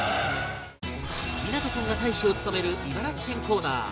湊君が大使を務める茨城県コーナー